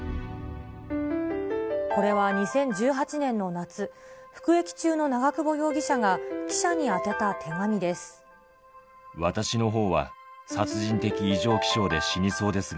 これは２０１８年の夏、服役中の長久保容疑者が、記者に宛てた手紙です。